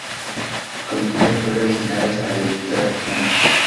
Ya entonces comenzó a llevar originales a la Editorial Molino.